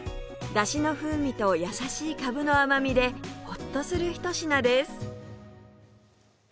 だしの風味と優しいかぶの甘みでホッとするひと品です